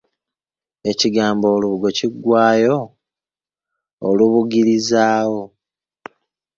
Ekigambo olubugo kiggwaayo Olubugirizaawo.